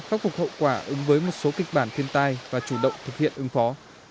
khắc phục hậu quả ứng với một số kịch bản thiên tai và chủ động thực hiện ứng phó